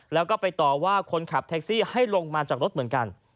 แล้วก็ไปต่อว่าคนขับแท็กซี่ให้ลงมาจากรถเหมือนกัน